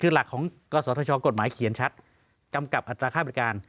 คือหลักของกศธชกฎหมายเขียนชัดกำกับอัตราค่าบริการ